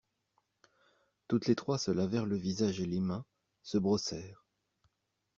Tous les trois se lavèrent le visage et les mains, se brossèrent.